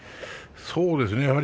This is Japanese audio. そうですね